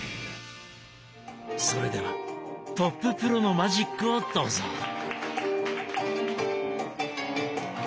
それではトッププロのマジックをどうぞ！